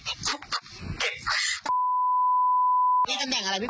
นี่ตำแหน่งอะไรพี่